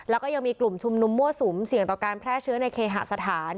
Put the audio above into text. แล้วก็ยังมีกลุ่มชุมนุมมั่วสุมเสี่ยงต่อการแพร่เชื้อในเคหสถาน